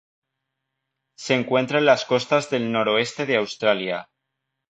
Se encuentra en las costas del noroeste de Australia